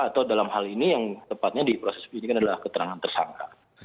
atau dalam hal ini yang tepatnya di proses penyidikan adalah keterangan tersangka